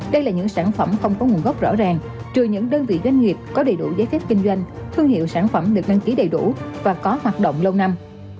đây là những sản phẩm không có nguồn gốc rõ ràng trừ những đơn vị doanh nghiệp có đầy đủ giấy phép kinh doanh thương hiệu sản phẩm được đăng ký đầy đủ và có hoạt động lâu năm